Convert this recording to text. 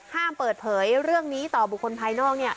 ห้ามเปิดเผยเรื่องนี้ต่อบุคคลภายนอก